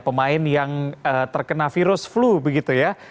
pemain yang terkena virus flu begitu ya